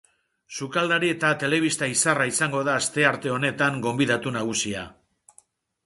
Sukaldari eta telebista izarra izango da astearte honetan gonbidatu nagusia.